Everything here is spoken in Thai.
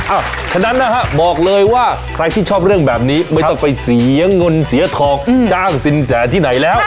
ฉะนั้นนะฮะบอกเลยว่าใครที่ชอบเรื่องแบบนี้ไม่ต้องไปเสียเงินเสียทองจ้างสินแสที่ไหนแล้ว